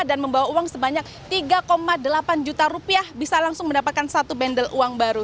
dan membawa uang sebanyak tiga delapan juta rupiah bisa langsung mendapatkan satu bendel uang baru